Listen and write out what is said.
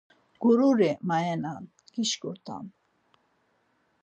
Gururi maenan gişǩurt̆an.